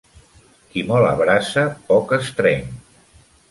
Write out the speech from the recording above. Qui molt abraça poc estreny